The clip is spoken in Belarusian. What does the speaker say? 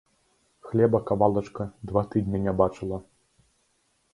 хлеба кавалачка два тыднi не бачыла...